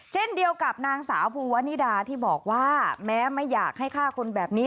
เช่นเดียวกับนางสาวภูวะนิดาที่บอกว่าแม้ไม่อยากให้ฆ่าคนแบบนี้